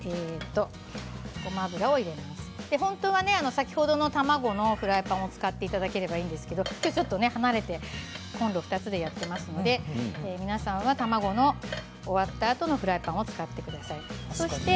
本当は先ほどの卵のフライパンを使っていただければいいんですけど今日はちょっと離れてコンロ２つでやっているので皆さんは卵が終わったあとのフライパンを使ってください。